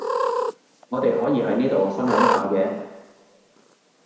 我哋可以喺呢度分享下嘅